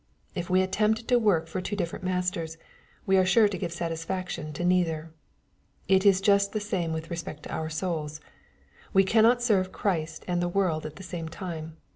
If we attempt to work for two different masters, we are sure to give satis faction to neither. It is just the same with respect to our souls. We cannot serve Christ and the world at the same time.